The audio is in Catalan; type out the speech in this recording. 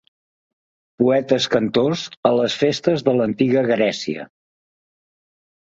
Poetes cantors a les festes de l'antiga Grècia.